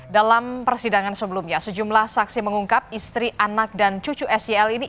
dalam persidangan sebelumnya sejumlah saksi mengungkap istri anak dan cucu sel ini